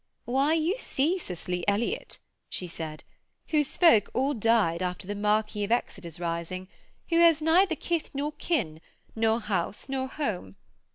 'Why, you see Cicely Elliott,' she said, 'whose folk all died after the Marquis of Exeter's rising, who has neither kith nor kin, nor house nor home.